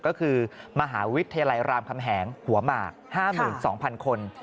ก็คือมหาวิทยาลัยรามคำแหงหัวมาก๕หมื่น๒พันคน